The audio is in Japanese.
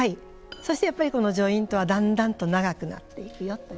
そしてやっぱりこのジョイントはだんだんと長くなっていくよと。